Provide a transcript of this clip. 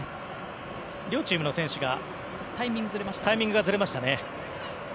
両チームの選手のタイミングがずれましたね。